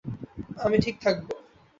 আমি ঠিক থাকব।